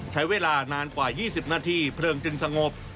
ใช้เวลานานกว่า๒๐นาทีเพลิงจึงสงบ